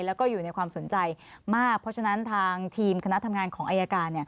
แล้วก็อยู่ในความสนใจมากเพราะฉะนั้นทางทีมคณะทำงานของอายการ